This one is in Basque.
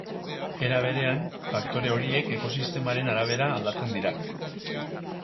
Era berean, faktore horiek ekosistemaren arabera aldatzen dira.